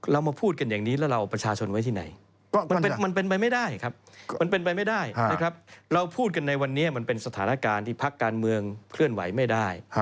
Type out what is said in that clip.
เราพูดกันในวันนี้มันเป็นสถานการณ์ที่พักการเมืองเคลื่อนไหวไม่ได้